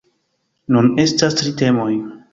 Nun estas tri temoj.